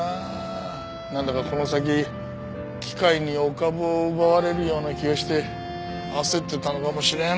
なんだかこの先機械にお株を奪われるような気がして焦ってたのかもしれん。